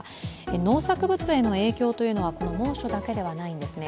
農作物への影響というのはこの猛暑だけではないんですね。